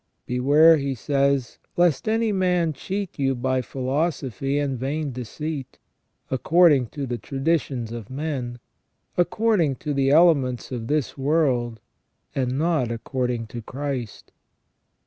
"Beware," he says, "lest any man cheat you by philosophy and vain deceit ; according to the traditions of men, according to the elements of this world, and not according to Christ."